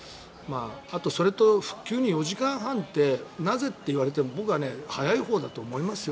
あと、それと復旧に４時間半ってなぜっていわれても僕は早いほうだと思いますよ。